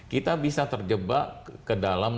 kita bisa terjebak ke dalam